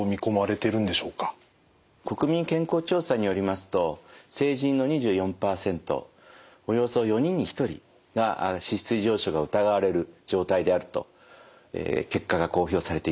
国民健康調査によりますと成人の２４％およそ４人に１人が脂質異常症が疑われる状態であると結果が公表されています。